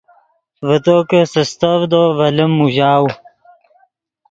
ڤے تو کہ سستڤدو ڤے لیم موژاؤ